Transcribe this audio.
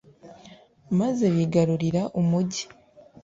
maze bigarurira umugi